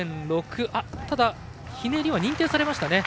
ただ、ひねりは認定されました。